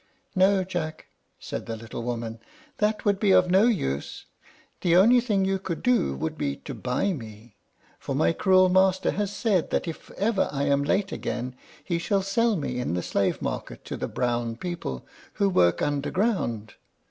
"No, Jack," said the little woman; "that would be of no use. The only thing you could do would be to buy me; for my cruel master has said that if ever I am late again he shall sell me in the slave market to the brown people, who work underground.